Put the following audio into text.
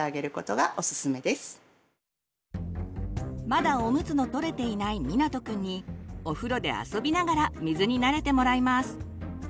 まだおむつのとれていないみなとくんにお風呂で遊びながら水に慣れてもらいます。